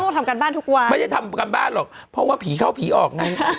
ทำการบ้านแบบว่าไม่น่าทำการบ้านหรอกเพราะว่าผีเข้าผีอก